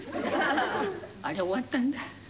あれ終わったんだ。